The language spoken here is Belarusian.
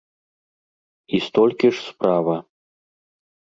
І столькі ж справа.